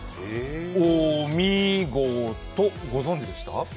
お・み・ご・と、ご存じでした？